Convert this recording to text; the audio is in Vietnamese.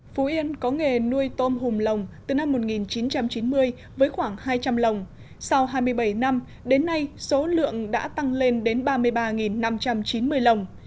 phú yên có nghề nuôi tôm hùm lồng từ năm một nghìn chín trăm chín mươi với khoảng hai trăm linh lồng sau hai mươi bảy năm đến nay số lượng đã tăng lên đến ba mươi ba năm trăm chín mươi lồng